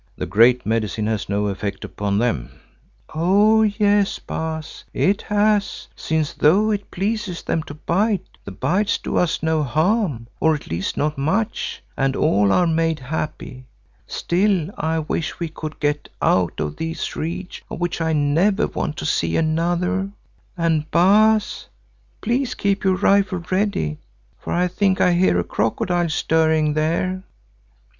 "The Great Medicine has no effect upon them." "Oh! yes, Baas, it has, since though it pleases them to bite, the bites do us no harm, or at least not much, and all are made happy. Still, I wish we could get out of these reeds of which I never want to see another, and Baas, please keep your rifle ready for I think I hear a crocodile stirring there."